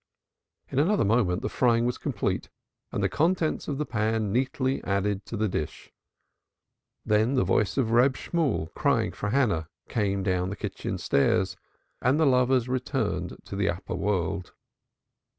In another moment the frying was complete, and the contents of the pan neatly added to the dish. Then the voice of Reb Shemuel crying for Hannah came down the kitchen stairs, and the lovers returned to the upper world.